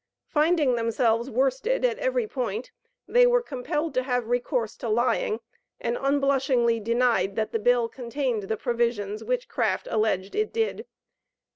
Finding themselves worsted at every point, they were compelled to have recourse to lying, and unblushingly denied that the bill contained the provisions which Craft alleged it did.